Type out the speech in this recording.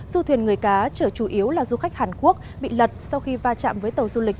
du thuyền người cá trở chủ yếu là du khách hàn quốc bị lật sau khi va chạm với tàu du lịch